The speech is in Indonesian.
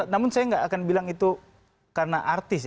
namun saya tidak akan bilang itu karena artis